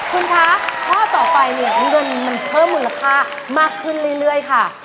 คุณคะข้อต่อไปเนี่ยเงินมันเพิ่มมูลค่ามากขึ้นเรื่อยค่ะ